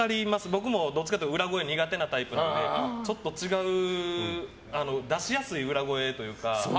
僕もどっちかというと裏声苦手なタイプなのでちょっと違う出しやすい裏声というか